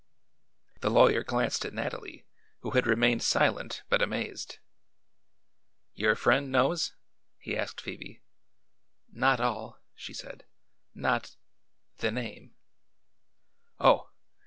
The lawyer glanced at Nathalie, who had remained silent but amazed. "Your friend knows?" he asked Phoebe. "Not all," she said. "Not the name." "Oh.